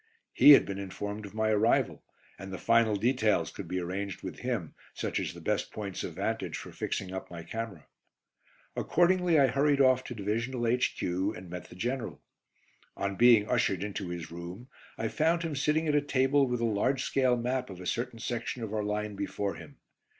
He had been informed of my arrival, and the final details could be arranged with him, such as the best points of vantage for fixing up my camera. Accordingly I hurried off to Divisional H.Q. and met the General. On being ushered into his room, I found him sitting at a table with a large scale map of a certain section of our line before him.